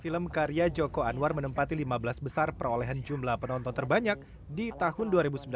film karya joko anwar menempati lima belas besar perolehan jumlah penonton terbanyak di tahun dua ribu sembilan belas